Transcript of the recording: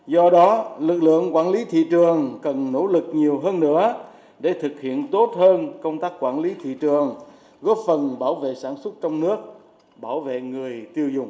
do đó lực lượng quản lý thị trường cần nỗ lực nhiều hơn nữa để thực hiện tốt hơn công tác quản lý thị trường góp phần bảo vệ sản xuất trong nước bảo vệ người tiêu dùng